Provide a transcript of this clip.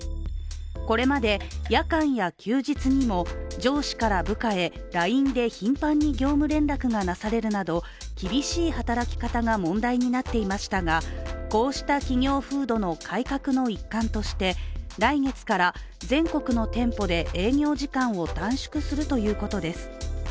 これまで夜間や休日にも、上司から部下へＬＩＮＥで頻繁に業務連絡がなされるなど厳しい働き方が問題になっていましたがこうした企業風土の改革の一環として来月から全国の店舗で営業時間を短縮するということです。